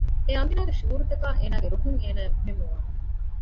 އެ އަންހެނާގެ ޝުޢޫރުތަކާއި އޭނާގެ ރުހުން އޭނާއަށް މުހިންމުވާނެ